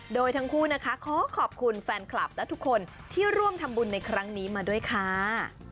โดยทั้งคู่นะคะขอขอบคุณแฟนคลับและทุกคนที่ร่วมทำบุญในครั้งนี้มาด้วยค่ะ